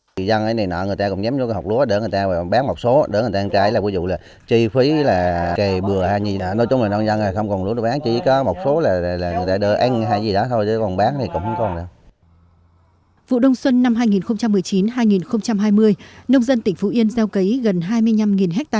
vụ đông xuân năm hai nghìn một mươi chín hai nghìn hai mươi nông dân tỉnh phú yên gieo cấy gần hai mươi năm ha